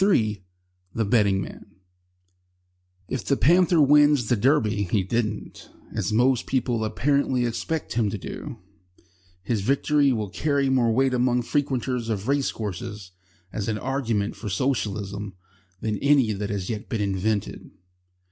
III THE BETTING MAN If The Panther wins the Derby,[He didn't] as most people apparently expect him to do, his victory will carry more weight among frequenters of race courses as an argument for Socialism than any that has yet been invented.